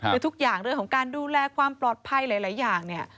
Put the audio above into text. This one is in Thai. คือทุกอย่างเรื่องของการดูแลความปลอดภัยหลายอย่างเนี่ย